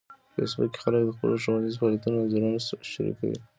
په فېسبوک کې خلک د خپلو ښوونیزو فعالیتونو انځورونه شریکوي